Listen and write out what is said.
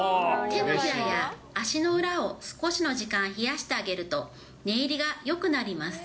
手のひらや足の裏を少しの時間冷やしてあげると、寝入りがよくなります。